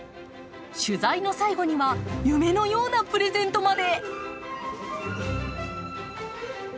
取材の最後には、夢のようなプレゼントまで。